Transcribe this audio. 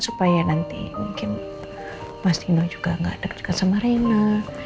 supaya nanti mungkin mas dino juga gak deket deket sama rena